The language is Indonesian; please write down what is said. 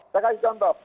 saya kasih contoh